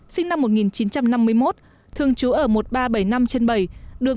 sinh năm một nghìn chín trăm năm mươi một thường trú ở một nghìn ba trăm bảy mươi năm bảy đường ba mươi bốn